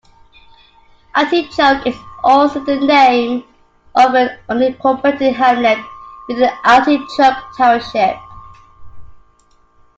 Artichoke is also the name of an unincorporated hamlet within Artichoke Township.